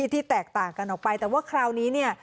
ที่แตกต่างกันออกไปแต่ว่าคราวนี้เนี่ย